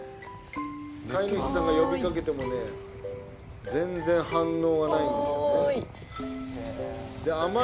飼い主さんが呼び掛けてもね全然反応がないんですよね。